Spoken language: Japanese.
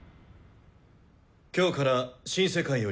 今日から「新世界より」